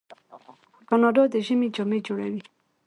کاناډا د ژمي جامې جوړوي.